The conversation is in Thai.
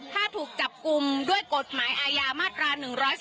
ถ้าถูกจับกลุ่มด้วยกฎหมายอาญามาตรา๑๔